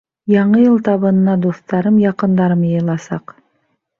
Яңы йыл табынына дуҫтарым, яҡындарым йыйыласаҡ.